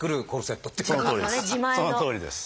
そのとおりです。